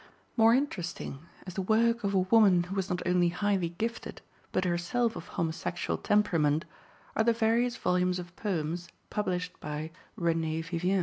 More interesting, as the work of a woman who was not only highly gifted, but herself of homosexual temperament, are the various volumes of poems published by "Renée Vivien."